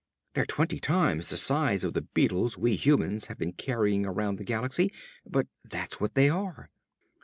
They're twenty times the size of the beetles we humans have been carrying around the galaxy, but that's what they are!